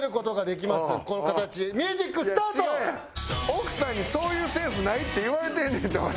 奥さんにそういうセンスないって言われてんねんて俺。